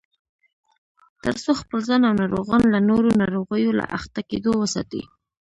ترڅو خپل ځان او ناروغان له نورو ناروغیو له اخته کېدو وساتي